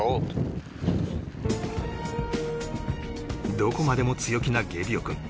どこまでも強気なゲビオ君